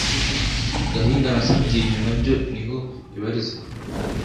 Gahinga na Sabyinyo nabyo niho bibarizwa